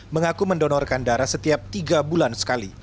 mengaku mendonorkan darah setiap tiga bulan sekali